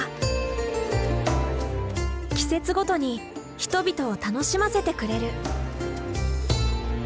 季節ごとに人々を楽しませてくれる。